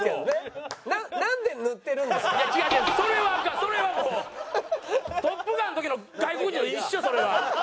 それはもう「トップガン」の時の外国人と一緒それは。